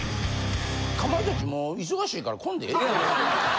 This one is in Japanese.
かまいたちもう忙しいから来んでええで。